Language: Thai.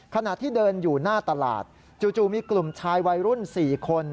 ขณะที่เดินอยู่หน้าตลาดจู่มีกลุ่มชายวัยรุ่น๔คน